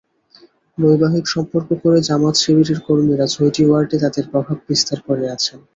বৈবাহিক সম্পর্ক করে জামায়াত-শিবিরের কর্মীরা ছয়টি ওয়ার্ডে তাদের প্রভাব বিস্তার করে আছেন।